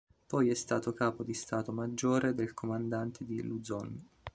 Poi è stato Capo di Stato Maggiore del comandante di Luzon.